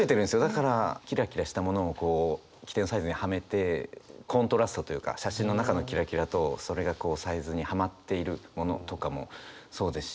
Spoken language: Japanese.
だからキラキラしたものをこう規定のサイズにはめてコントラストというか写真の中のキラキラとそれがサイズにはまっているものとかもそうですし。